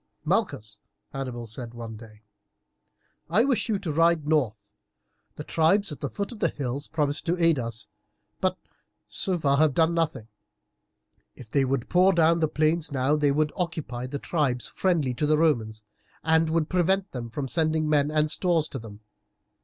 "Malchus," Hannibal said one day, "I wish you to ride north. The tribes at the foot of the hills promised to aid us, but have so far done nothing. If they would pour down to the plains now they would occupy the tribes friendly to the Romans, and would prevent them from sending men and stores to them.